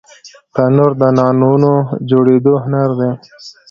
تنور د نانونو جوړېدو هنر ښيي